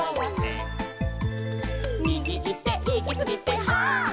「みぎいっていきすぎてはっ」